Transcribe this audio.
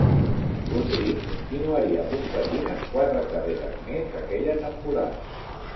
Guthrie continuaria competint en quatre carreres més aquella temporada.